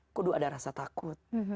aku ada rasa takut